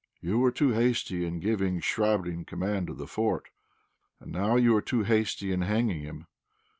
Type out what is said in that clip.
"You were too hasty in giving Chvabrine command of the fort, and now you are too hasty in hanging him.